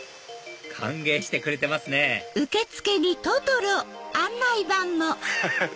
歓迎してくれてますねフフっ！